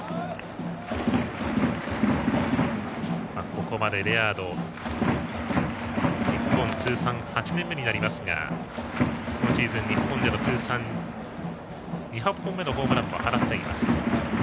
ここまでレアードは日本通算８年目になりますが今シーズン、日本での通算２００本目のホームランも放っています。